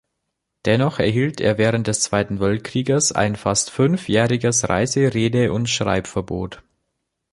Dennoch erhielt er während des Zweiten Weltkrieges ein fast fünfjähriges Reise-, Rede- und Schreibverbot.